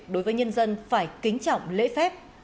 đối với nhân dân phải kính trọng lễ phép